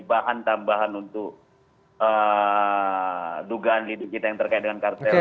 bahan tambahan untuk dugaan didik kita yang terkait dengan kartel